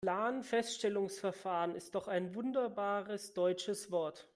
Planfeststellungsverfahren ist doch ein wunderbares deutsches Wort.